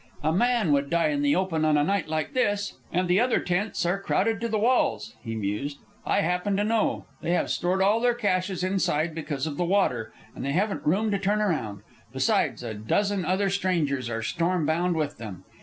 "A man would die in the open on a night like this. "And the other tents are crowded to the walls," he mused. "I happen to know. They have stored all their caches inside because of the water, and they haven't room to turn around. Besides, a dozen other strangers are storm bound with them.